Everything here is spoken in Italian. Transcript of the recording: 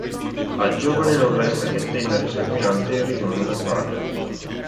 Al giovane non resta che attendere sanguinante il ritorno del padre.